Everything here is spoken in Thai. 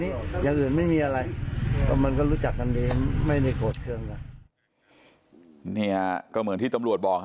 มีแบบเสียบใจแบบหนดอย่างเขาชอบฟังเพลงก็เรียงคนเอ้ยคน